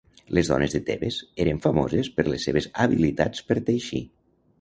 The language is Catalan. Les dones de Tebes eren famoses per les seves habilitats per teixir.